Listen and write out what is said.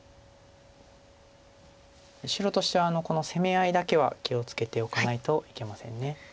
白としてはこの攻め合いだけは気を付けておかないといけません。